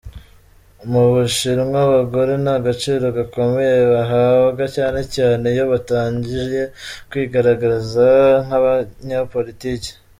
Mu Bushinwa abagore nta gaciro gakomeye bahabwa cyane cyane iyo batangiye kwigaragaza nk’abanyapolitiki.